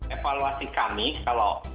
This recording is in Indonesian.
evaluasi kami kalau